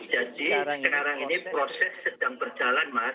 jadi sekarang ini proses sedang berjalan mas